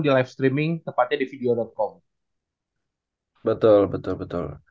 di live streaming tepatnya di video com betul betul